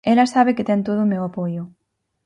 Ela sabe que ten todo o meu apoio.